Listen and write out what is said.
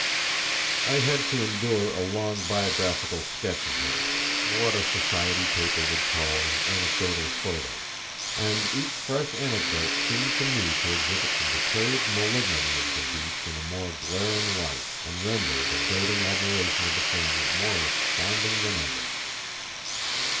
I had to endure a long biographical sketch of him,—what a society paper would call an "anecdotal photo,"—and each fresh anecdote seemed to me to exhibit the depraved malignity of the beast in a more glaring light, and render the doting admiration of the family more astounding than ever.